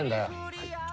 はい。